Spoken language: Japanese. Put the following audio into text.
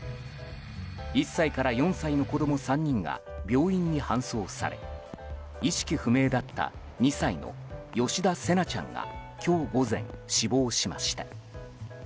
１歳から４歳の子供３人が病院に搬送され意識不明だった２歳の吉田成那ちゃんが今日午前、死亡しました。